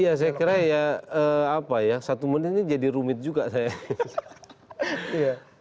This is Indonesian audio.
ya saya kira ya satu menit ini jadi rumit juga saya